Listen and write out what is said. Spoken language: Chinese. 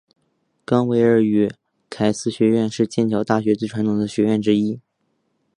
冈维尔与凯斯学院是剑桥大学最传统的学院之一。